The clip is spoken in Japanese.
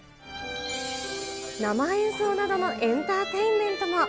生演奏などのエンターテインメントも。